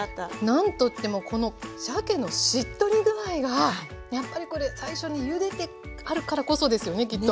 なんといってもこのしゃけのしっとり具合がやっぱりこれ最初にゆでてあるからこそですよねきっと。